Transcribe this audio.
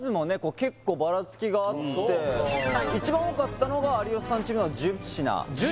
結構バラつきがあって一番多かったのが有吉さんチームの１０品１０！？